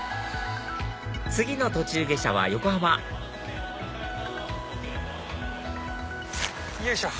次の途中下車は横浜よいしょ。